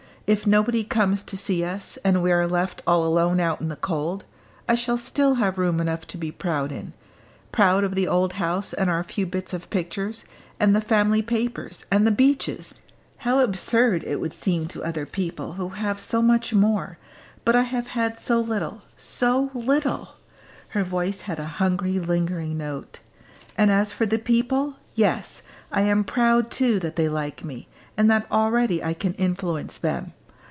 If nobody comes to see us, and we are left all alone out in the cold, I shall still have room enough to be proud in proud of the old house and our few bits of pictures, and the family papers, and the beeches! How absurd it would seem to other people, who have so much more! But I have had so little so little!" Her voice had a hungry lingering note. "And as for the people, yes, I am proud too that they like me, and that already I can influence them.